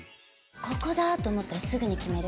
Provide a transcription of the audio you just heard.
ここだと思ったらすぐに決める。